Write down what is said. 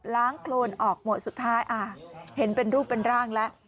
โครนออกหมดสุดท้ายเห็นเป็นรูปเป็นร่างแล้ว